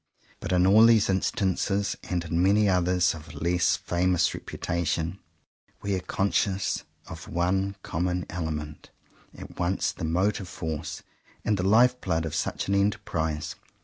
But in all these instances, and in many others of a less famous reputation, we are conscious of one common element, at once the motive force and the life blood of such an enterprise.